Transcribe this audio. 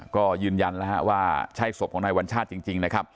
ก็ยืนยันแล้วใช้ศพของนายวันชาติจริง